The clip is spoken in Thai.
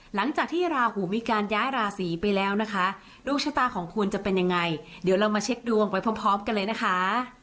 หลังจากที่ราหูมีการย้ายราศีไปแล้วนะคะดวงชะตาของคุณจะเป็นยังไงเดี๋ยวเรามาเช็คดวงไปพร้อมกันเลยนะคะ